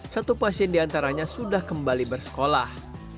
satu pasien diantaranya sudah kembali bersekolah